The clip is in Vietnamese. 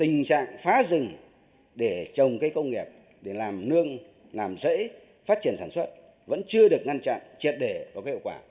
tình trạng phá rừng để trồng cây công nghiệp để làm nương làm rễ phát triển sản xuất vẫn chưa được ngăn chặn triệt để và có hiệu quả